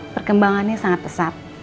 perkembangannya sangat pesat